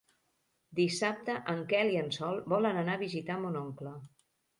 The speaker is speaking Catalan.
Dissabte en Quel i en Sol volen anar a visitar mon oncle.